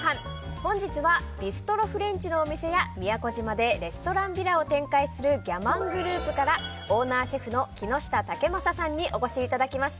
本日はビストロフレンチのお店や宮古島でレストランヴィラを展開するギャマングループからオーナーシェフの木下威征さんにお越しいただきました。